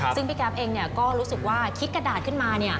ซึ่งพี่แก๊ปเองก็รู้สึกว่าคิดกระดาษขึ้นมา